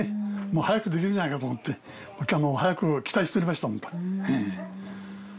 もう早くできるんじゃないかと思って期待しておりました本当に。